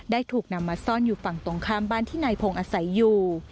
ถูกนำมาซ่อนอยู่ฝั่งตรงข้ามบ้านที่นายพงศ์อาศัยอยู่